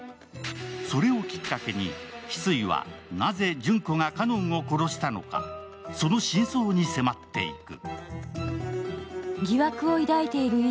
それをきっかけに、翡翠はなぜ、詢子が花音を殺したのか、その真相に迫っていく。